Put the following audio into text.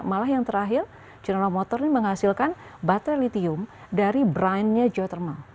malah yang terakhir general motors ini menghasilkan baterai lithium dari brinenya geothermal